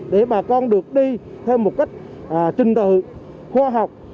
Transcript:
để bà con được đi theo một cách trình tự khoa học